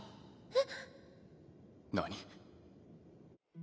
えっ？何？